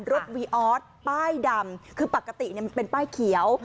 วีออสป้ายดำคือปกติมันเป็นป้ายเขียว